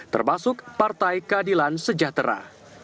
termasuk partai keadilan sejahtera